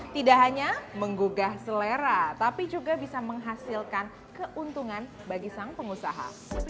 tidak hanya menggugah selera tapi juga bisa menghasilkan keuntungan bagi sang pengusaha